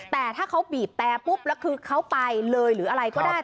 แต่ถ้าเขาบีบแต่ปุ๊บแล้วคือเขาไปเลยหรืออะไรก็ได้